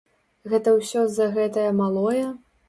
Гэта ўсё з-за гэтае малое?